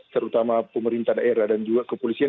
terutama pemerintah daerah dan juga kepolisian